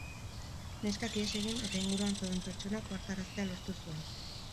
Neskak ihes egin eta inguruan zeuden pertsonak ohartaraztea lortu zuen.